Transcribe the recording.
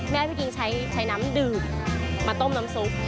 แม่พี่กิ้งใช้น้ำดื่มมาต้มน้ำซุป